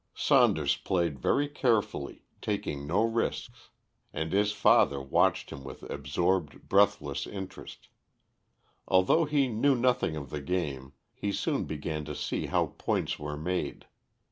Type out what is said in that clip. Saunders played very carefully, taking no risks, and his father watched him with absorbed, breathless interest. Though he knew nothing of the game he soon began to see how points were made.